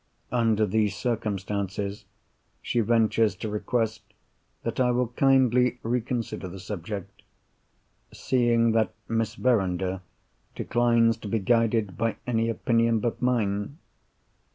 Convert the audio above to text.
Under these circumstances, she ventures to request that I will kindly reconsider the subject; seeing that Miss Verinder declines to be guided by any opinion but mine.